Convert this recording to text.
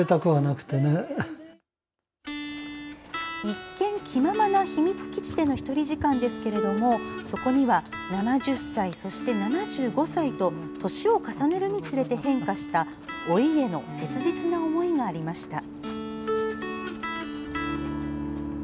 一見、気ままな秘密基地での１人時間ですがそこには、７０歳そして、７５歳と年を重ねるにつれて変化した老いへの切実な思いがありました。